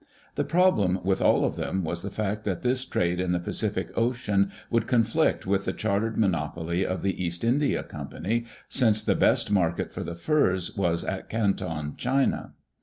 The problem with all of them was the fact that this trade in the Pacific ocean would conflict with the chartered monopoly of the East India Company, since the best market for the furs was at Canton, China.